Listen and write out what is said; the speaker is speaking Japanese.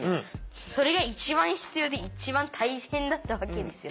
それが一番必要で一番大変だったわけですよ。